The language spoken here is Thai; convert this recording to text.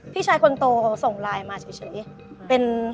พี่ชายคนโตส่งไลน์มาเฉย